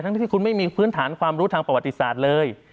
ที่คุณไม่มีพื้นฐานความรู้ทางประวัติศาสตร์เลย